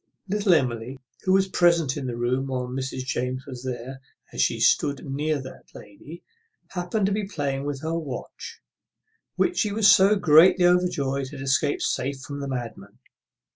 Little Emily, who was present in the room while Mrs. James was there, as she stood near that lady happened to be playing with her watch, which she was so greatly overjoyed had escaped safe from the madman.